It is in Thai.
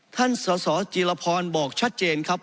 สสจีรพรบอกชัดเจนครับ